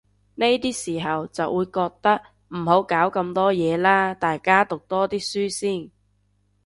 呢啲時候就會覺得，唔好搞咁多嘢喇，大家讀多啲書先